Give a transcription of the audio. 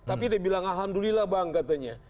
tapi dia bilang alhamdulillah bang katanya